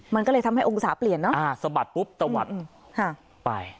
มันก็เลยทำให้องศาเปลี่ยนเนาะสะบัดปุ๊บตะวัดไป